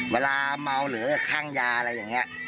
เวลาเมาหรือข้างยาอย่างนี้